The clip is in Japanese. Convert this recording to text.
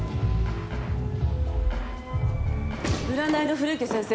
占いの古池先生